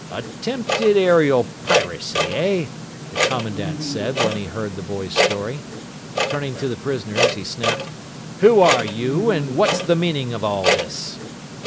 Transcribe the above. "Attempted aerial piracy, eh?" the commandant said when he heard the boys' story. Turning to the prisoners, he snapped, "Who are you, and what's the meaning of all this?"